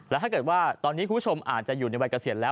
และถ้าเกิดว่าตอนนี้คุณผู้ชมอาจจะอยู่ในวัยเกษียณแล้ว